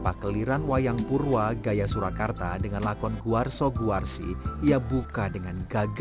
pakkeliran wayang purwa gaya surakarta dengan lakon guarso guarsi ia buka dengan gagah